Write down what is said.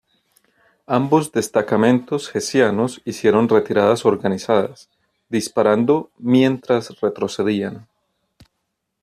Ambos destacamentos hessianos hicieron retiradas organizadas, disparando mientras retrocedían.